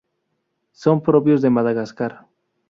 Son propios de Madagascar.